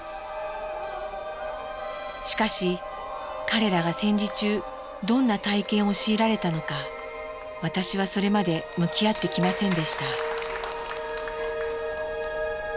しかし彼らが戦時中どんな体験を強いられたのか私はそれまで向き合ってきませんでした。